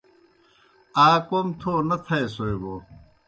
آ کوْم تھو نہ تھائیسوئے بوْ